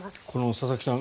佐々木さん